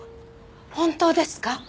本当ですか？